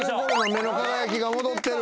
目の輝きが戻ってる。